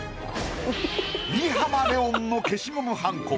新浜レオンの消しゴムはんこ